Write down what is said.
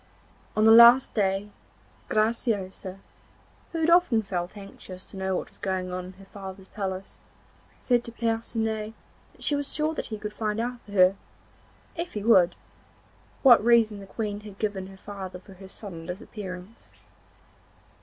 On the last day, Graciosa, who had often felt anxious to know what was going on in her father's palace, said to Percinet that she was sure that he could find out for her, if he would, what reason the Queen had given her father for her sudden disappearance.